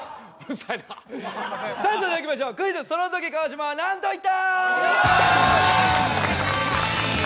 それではいきましょう「クイズ！そのとき川島はなんと言った！？」